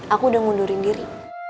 aku udah ngundurin diri